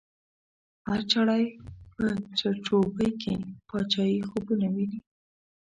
هر چړی په چړچوبۍ کی، باچایې خوبونه وینې